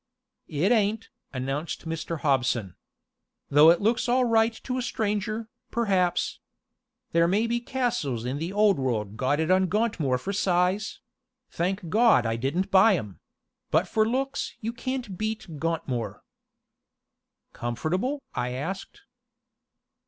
"It ain't," announced Mr. Hobson. "Though it looks all right to a stranger, perhaps. There may be castles in the Old World got it on Gauntmoor for size thank God I didn't buy 'em! but for looks you can't beat Gauntmoor." "Comfortable?" I asked.